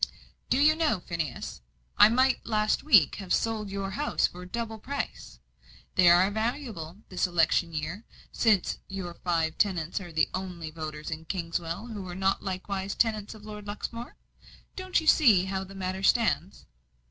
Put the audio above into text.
"Do you know, Phineas, I might last week have sold your houses for double price? They are valuable, this election year, since your five tenants are the only voters in Kingswell who are not likewise tenants of Lord Luxmore. Don't you see how the matter stands?"